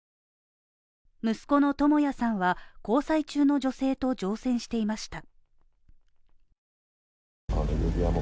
息子の智也さんは交際中の女性と乗船していました。